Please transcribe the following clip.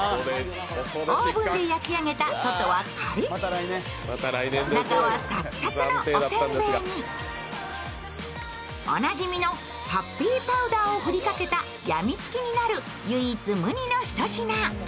オーブンで焼き上げた、外はカリッ中はサクサクのお煎餅におなじみのハッピーパウダーを振りかけた、やみつきになる唯一無二の一品。